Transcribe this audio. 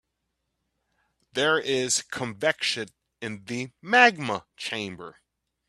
There is convection in the magma chamber.